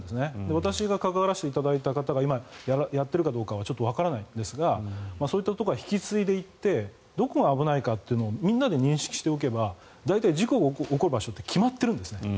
私が関わらせていただいた方が今、やってるかどうかはわからないですがそういったところは引き継いでいってどこが危ないかをみんなで認識していれば大体、事故が起きる場所って決まっているんですね。